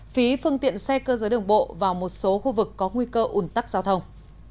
phí phương tiện xe cơ giới đường bộ vào một số khu vực có nguy cơ ủn tắc giao thông